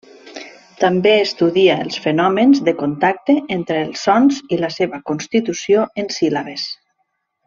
També estudia els fenòmens de contacte entre els sons i la seva constitució en síl·labes.